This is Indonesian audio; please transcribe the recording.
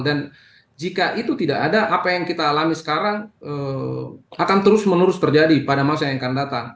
dan jika itu tidak ada apa yang kita alami sekarang akan terus menerus terjadi pada masa yang akan datang